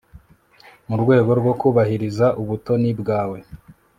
Mu rwego rwo kubahiriza ubutoni bwawe